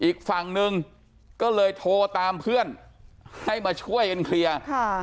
อีกฝั่งนึงก็เลยโทรตามเพื่อนให้มาช่วยกันเคลียร์